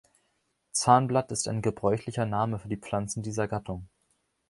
Zahnblatt ist ein gebräuchlicher Name für Pflanzen dieser Gattung.